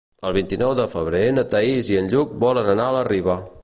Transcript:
El vint-i-nou de febrer na Thaís i en Lluc volen anar a la Riba.